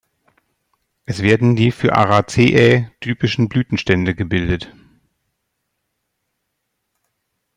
Es werden die für Araceae typischen Blütenstände gebildet.